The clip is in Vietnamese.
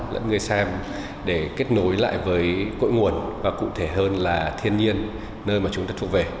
lẫn người xem để kết nối lại với cội nguồn và cụ thể hơn là thiên nhiên nơi mà chúng ta thuộc về